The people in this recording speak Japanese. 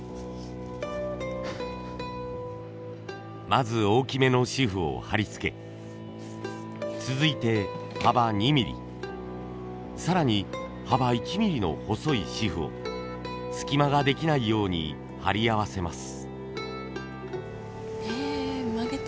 まず大きめの紙布を貼り付け続いて幅２ミリ更に幅１ミリの細い紙布を隙間ができないように貼り合わせます。